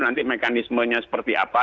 nanti mekanismenya seperti apa